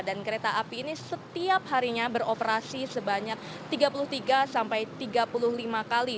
dan kereta api ini setiap harinya beroperasi sebanyak tiga puluh tiga sampai tiga puluh lima kali